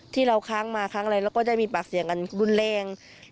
ค้างมาค้างอะไรเราก็ได้มีปากเสียงกันรุนแรง